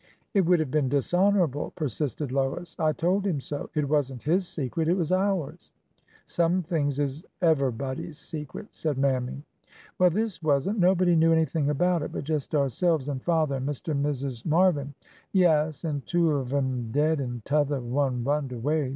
It would have been dishonorable," persisted Lois. I told him so. It was n't his secret. It was ours." Some things is eve'ybody's secret," said Mammy. Well, this was n't. Nobody knew anything about it but just ourselves and father and Mr. and Mrs. Mar vin,"— (" Yaas, an' two of 'em dead an' t'other one runned away!